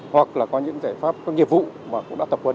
hoặc là có những giải pháp các nhiệm vụ mà cũng đã tập huấn